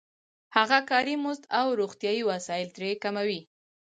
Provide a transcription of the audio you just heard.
هغه کاري مزد او روغتیايي وسایل ترې کموي